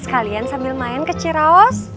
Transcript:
sekalian sambil main ke ciraos